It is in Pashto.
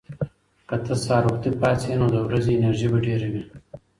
که ته سهار وختي پاڅې، نو د ورځې انرژي به ډېره وي.